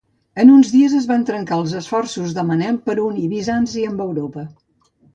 En uns dies es van trencar els esforços de Manel per unir Bizanci amb Europa.